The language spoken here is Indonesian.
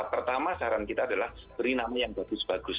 pertama saran kita adalah beri nama yang bagus bagus